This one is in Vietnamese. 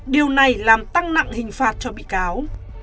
điều này làm tăng nặng hình phạt cho bị cáo